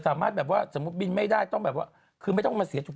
สมมุติบินไม่ได้คือไม่ต้องมาเสีย